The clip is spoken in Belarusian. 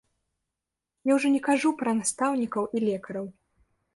Я ўжо не кажу пра настаўнікаў і лекараў.